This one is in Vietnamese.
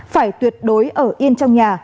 phải tuyệt đối ở yên trong nhà